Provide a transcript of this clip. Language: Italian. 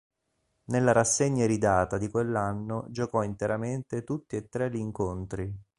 Nella rassegna iridata di quell'anno giocò interamente tutti e tre gli incontri.